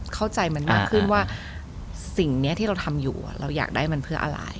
เข้าใจมันมากขึ้นว่าสิ่งนี้ที่เราทำอยู่เราอยากได้มันเพื่ออะไร